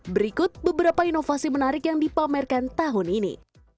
berikut beberapa inovasi menarik yang dipamerkan tahun ini